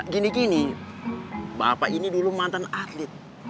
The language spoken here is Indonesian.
gini gini bapak ini dulu mantan atlet